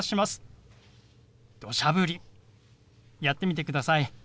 やってみてください。